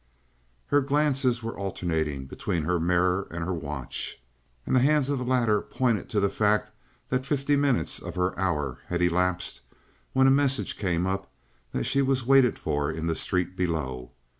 Her glances were alternating between her mirror and her watch, and the hands of the latter pointed to the fact that fifty minutes of her hour had elapsed when a message came up that she was waited for in the street below.